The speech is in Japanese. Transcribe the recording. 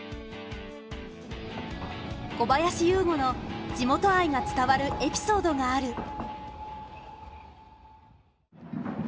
小林有吾の地元愛が伝わるエピソードがある。